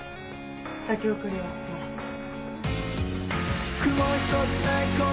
先送りはなしです。